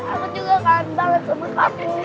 aku kangen banget sama kamu